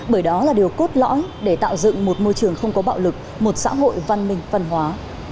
bởi đó là điều cốt lõi để tạo dựng một môi trường không có bạo lực một xã hội văn minh văn hóa